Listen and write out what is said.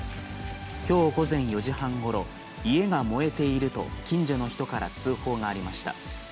きょう午前４時半ごろ、家が燃えていると、近所の人から通報がありました。